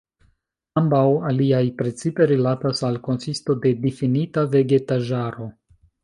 Ambaŭ aliaj precipe rilatas al konsisto de difinita vegetaĵaro.